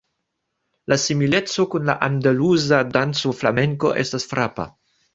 La simileco kun la andaluza danco Flamenko estas frapa.